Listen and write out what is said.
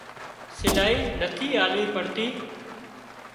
سلائي نٿي آلوي پڙتي